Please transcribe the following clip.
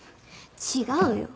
違うよ。